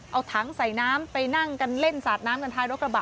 เอาถังใส่น้ำไปนั่งกันเล่นสาดน้ำกันท้ายรถกระบะ